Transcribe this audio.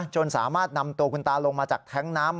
สามารถนำตัวคุณตาลงมาจากแท้งน้ำ